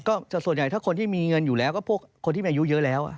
ก็ส่วนใหญ่ถ้าคนที่มีเงินอยู่แล้วก็พวกคนที่มีอายุเยอะแล้ว